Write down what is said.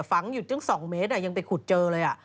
ฝังอยู่ตั้ง๒เมตรยังไปขุดเจอเลย